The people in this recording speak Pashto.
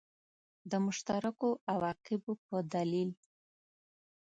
د مشترکو عواقبو په دلیل.